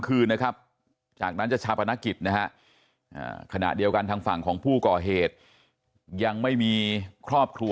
ขึ้นอยู่กับความเชื่อนะฮะสุดท้ายเนี่ยทางครอบครัวก็เชื่อว่าป้าแดงก็ไปที่วัดแล้ว